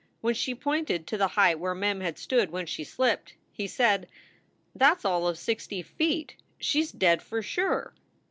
When she pointed to the height where Mem had stood when she slipped, he said: "That s all of sixty feet. She s dead for sure."